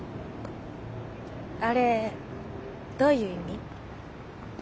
あれどういう意味？